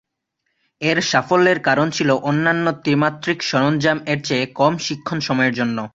এর সাফল্যের কারণ ছিল অন্যান্য ত্রিমাত্রিক সরঞ্জাম এর চেয়ে কম শিক্ষণ সময়ের জন্য।